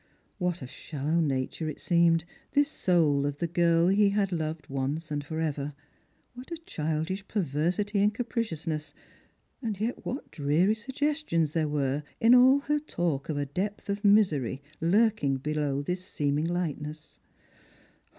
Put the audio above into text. What a shallow nature it seemed, this soul of the girl he had loved once and for ever ; what a childish perversity and capriciousness, and yet what dreary suggestions there were in all her talk of a depth of misery lurking below this seeming lightness